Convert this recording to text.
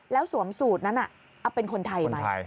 แล้วสวมสูตรนั้นเป็นคนไทยไหม